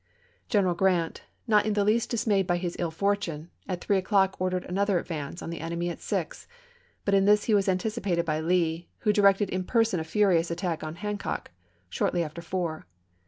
General Grant, not in the least dismayed by his ill fortune, at three o'clock ordered another advance on the enemy at six ; but in this he was anticipated by Lee, who directed in person a furious attack on Hancock shortly after four.